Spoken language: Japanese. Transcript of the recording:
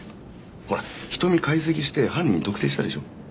ほら瞳解析して犯人特定したでしょ。